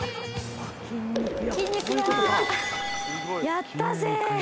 やったぜ。